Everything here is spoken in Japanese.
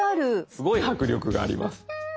すごい迫力があります。